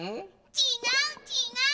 ちがうちがう！